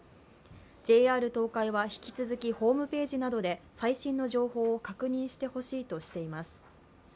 ＪＲ東海は、引き続きホームページなどで最新の情報を確認してほしといしています。